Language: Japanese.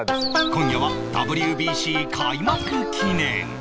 今夜は ＷＢＣ 開幕記念